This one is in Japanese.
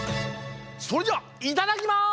それではいただきます！